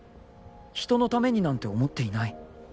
「人のために」なんて思っていない